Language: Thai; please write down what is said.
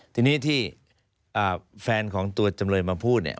ทีนี้ที่แฟนของตัวจำเลยมาพูดเนี่ย